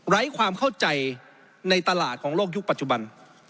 ไร้ความเข้าใจในตลาดของโลกยุคปัจจุบัน